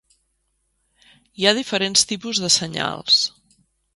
Hi ha diferents tipus de senyals.